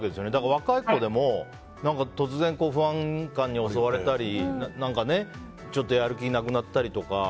若い子でも突然、不安感に襲われたりちょっとやる気がなくなったりとか。